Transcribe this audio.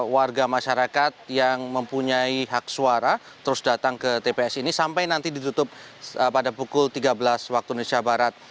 warga masyarakat yang mempunyai hak suara terus datang ke tps ini sampai nanti ditutup pada pukul tiga belas waktu indonesia barat